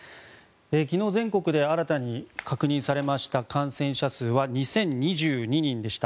昨日、全国で新たに確認された感染者数は２０２２人でした。